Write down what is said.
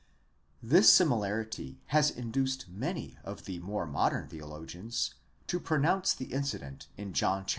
29). This similarity has induced many of the more modern theo logians to pronounce the incident in John xii.